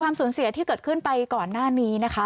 สูญเสียที่เกิดขึ้นไปก่อนหน้านี้นะคะ